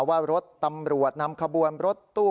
ว่ารถตำรวจนำขบวนรถตู้